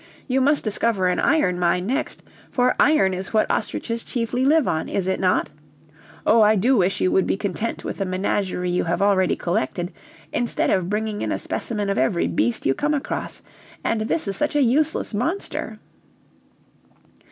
You must discover an iron mine next, for iron is what ostriches chiefly live on, is it not? Oh! I do wish you would be content with the menagerie you have already collected, instead of bringing in a specimen of every beast you come across. And this is such a useless monster!"